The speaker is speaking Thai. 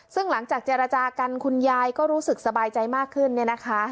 ซึ่งหลังจากเจรจากันคุณยายก็รู้สึกสบายใจมากขึ้นเนี่ยนะคะ